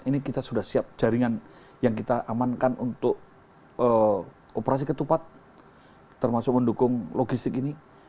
ini kita sudah siap jaringan yang kita amankan untuk operasi ketupat termasuk mendukung logistik ini